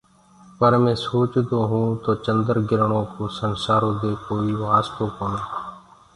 پر مينٚ سوچدو هيوُنٚ تو چنڊگرڻو ڪو دنيآ دي ڪو واستو ڪونآ۔